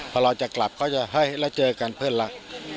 พอเราจะกลับเขาจะให้แล้วเจอกันเพื่อนรัก